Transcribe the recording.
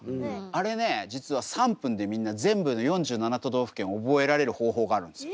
あれね実は３分でみんな全部の４７都道府県覚えられる方法があるんですよ。